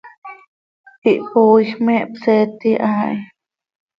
Ihpooij, me hpseeti haa hi.